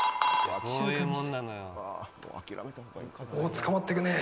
捕まっていくね。